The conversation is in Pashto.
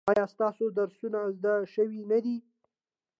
ایا ستاسو درسونه زده شوي نه دي؟